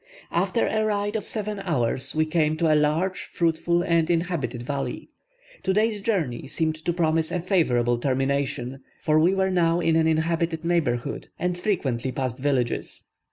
After a ride of seven hours we came to a large fruitful and inhabited valley. Today's journey seemed to promise a favourable termination, for we were now in an inhabited neighbourhood, and frequently passed villages.